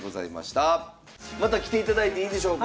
また来ていただいていいでしょうか。